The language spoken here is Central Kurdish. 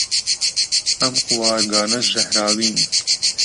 ئەم قوارگانە ژەهراوین.